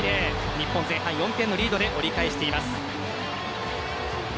日本前半４点のリードで折り返しています。